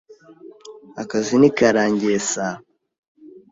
Akazi ntikarangiye saa